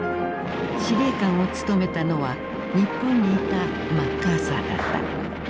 司令官を務めたのは日本にいたマッカーサーだった。